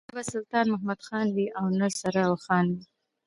نه به سلطان محمد خان وي او نه سره اوښان وي.